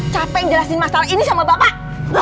capek yang jelasin masalah ini sama bapak